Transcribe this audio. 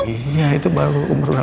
iya itu baru umur dua puluh lima ya